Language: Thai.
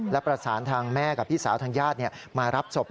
และประสานทางแม่กับพี่สาวทางญาติมารับศพ